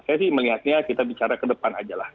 saya sih melihatnya kita bicara ke depan aja lah